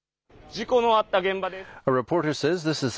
事故のあった現場です。